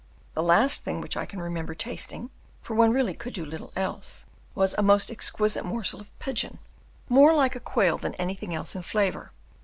The last thing which I can remember tasting (for one really could do little else) was a most exquisite morsel of pigeon more like a quail than anything else in flavour.